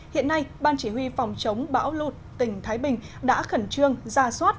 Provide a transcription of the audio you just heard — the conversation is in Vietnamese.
hiện nay ban chỉ huy phòng chống bão lụt tỉnh thái bình đã khẩn trương ra soát